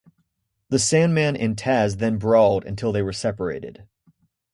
The Sandman and Taz then brawled until they were separated.